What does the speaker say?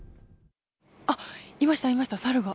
あっ、いました、いました、猿が。